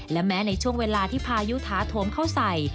และแม้ในช่วงเวลาที่พายุท้าโถมเข้าใส่